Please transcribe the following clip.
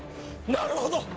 なるほど！